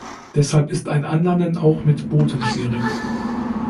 Deshalb ist ein Anlanden auch mit Booten schwierig.